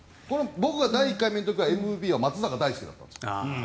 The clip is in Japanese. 僕が第１回の時はＭＶＰは松坂大輔だったんです。